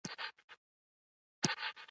محمد اسلام چې له تشنابه راووت.